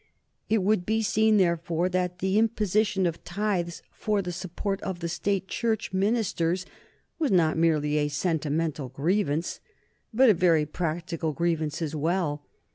It would be seen, therefore, that the imposition of tithes for the support of the State Church ministers was not merely a sentimental grievance, but a very practical grievance as well.